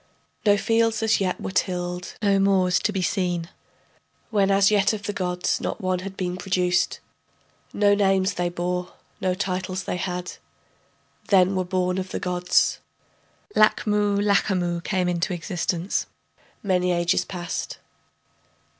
No fields as yet were tilled, no moors to be seen, When as yet of the gods not one had been produced, No names they bore, no titles they had, Then were born of the gods.... Lachmu Lachamu came into existence. Many ages past....